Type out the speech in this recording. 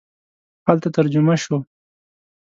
هلته ترجمه شو.